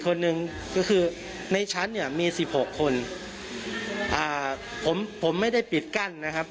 คนหนึ่งก็คือในชั้นเนี่ยมีสิบหกคนอ่าผมผมไม่ได้ปิดกั้นนะครับ